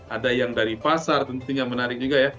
ada yang dari pasar tentunya menarik juga ya